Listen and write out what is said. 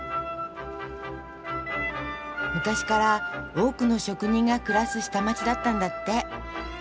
昔から多くの職人が暮らす下町だったんだって。